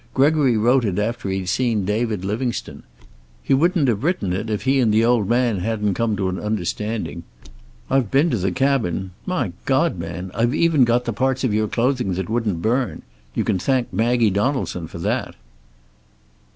Gregory wrote it after he'd seen David Livingstone. He wouldn't have written it if he and the old man hadn't come to an understanding. I've been to the cabin. My God, man, I've even got the parts of your clothing that wouldn't burn! You can thank Maggie Donaldson for that."